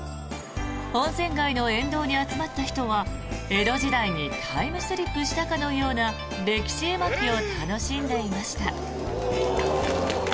温泉街の沿道に集まった人は江戸時代にタイムスリップしたかのような歴史絵巻を楽しんでいました。